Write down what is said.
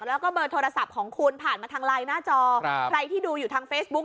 แล้วก็เบอร์โทรศัพท์ของคุณผ่านมาทางไลน์หน้าจอใครที่ดูอยู่ทางเฟซบุ๊ค